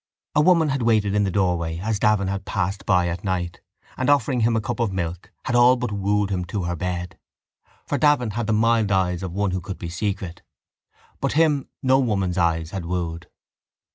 A woman had waited in the doorway as Davin had passed by at night and, offering him a cup of milk, had all but wooed him to her bed; for Davin had the mild eyes of one who could be secret. But him no woman's eyes had wooed.